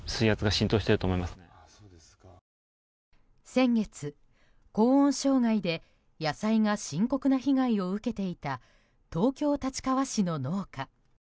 先月、高温障害で野菜が深刻な被害を受けていた東京・立川市の農家。